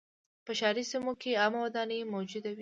په ښاري سیمو کې عامه ودانۍ موجودې وې.